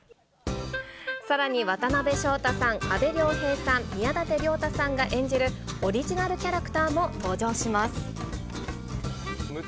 さらに、渡辺翔太さん、阿部亮平さん、宮舘涼太さんが演じるオリジナルキャラクターも登場します。